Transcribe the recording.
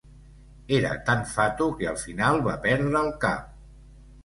Era tan fatu que al final va perdre el cap.